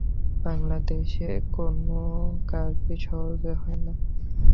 বাংলাদেশে কোনো কাজই সহজে হয় না!